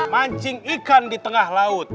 mancing ikan di tengah laut